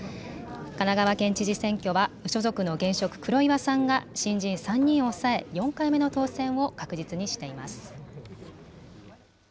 神奈川県知事選挙は、無所属の現職、黒岩さんが新人３人を抑え、４回目の当選を確実にしています。